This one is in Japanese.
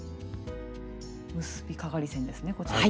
結びかがり線ですねこちらが。